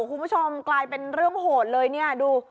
คุณผู้ชมกลายเป็นเรื่องโหดเลยเนี่ยดู